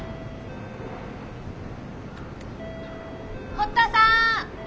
堀田さん。